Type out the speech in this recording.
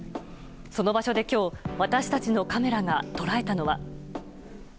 その場所で今日私たちのカメラが捉えたのは。